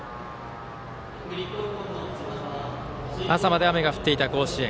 朝まで雨が降っていた甲子園。